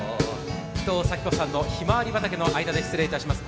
伊藤咲子さんの「ひまわり畑」の間から失礼します。